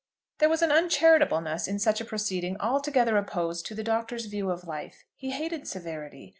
There was an uncharitableness in such a proceeding altogether opposed to the Doctor's view of life. He hated severity.